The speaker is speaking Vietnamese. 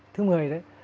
thứ một mươi đấy